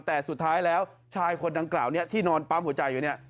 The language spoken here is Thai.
แต่สุดท้ายแล้วชายคนดังกล่าวนี้ที่นอนปั๊มหัวใจอยู่เนี่ย